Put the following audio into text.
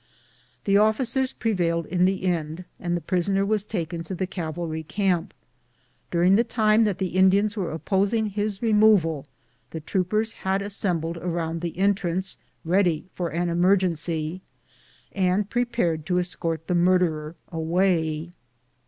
The officers prevailed in the end, and the prisoner was taken to the cavalry camp. During the time that the Indians were opposing kis removal, the troopers had assembled around the entrance, ready for any cmei'genc}', and prepared to escort the mur derer away.